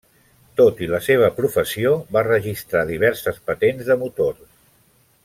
Tot i la seva professió, va registrar diverses patents de motors.